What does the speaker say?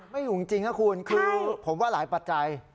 ไม่อยู่จริงนะคุณคือผมว่าหลายปัจจัย